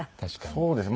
そうですね。